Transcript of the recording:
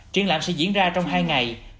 triển lãm sẽ diễn ra trong hai ngày